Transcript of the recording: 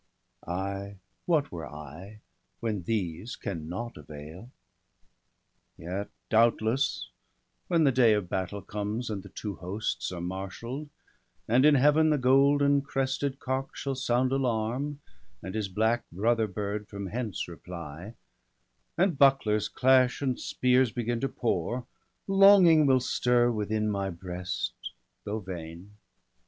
— I, what were I, when these can nought avail? Yet, doubtless, when the day of battle comes, And the two hosts are marshall'd, and in Heaven The golden crested cock shall sound alarm, And his black brother bird from hence reply, And bucklers clash, and spears begin to pour — Longing will stir within my breast, though vain.